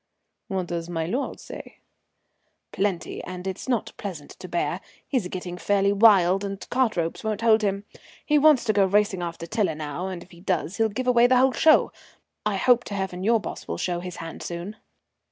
"What does my lord say?" "Plenty, and it's not pleasant to bear. He's getting fairly wild, and cart ropes won't hold him. He wants to go racing after Tiler now, and if he does he'll give away the whole show. I hope to heaven your boss will show his hand soon."